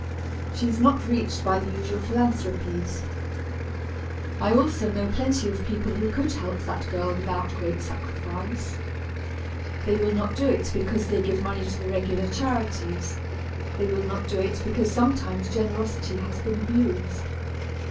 She is not reached by the usual philanthropies. I also know plenty of people who could help that girl without great sacrifice. They will not do it because they give money to the regular charities they will not do it because sometimes generosity has been abused.